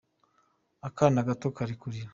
Akana gato kari kurira.